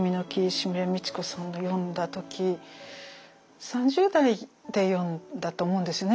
石牟礼道子さんの読んだ時３０代で読んだと思うんですよね。